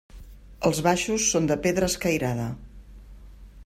Els baixos són de pedra escairada.